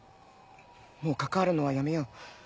もう関わるのはやめよう。